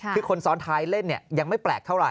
คือคนซ้อนท้ายเล่นยังไม่แปลกเท่าไห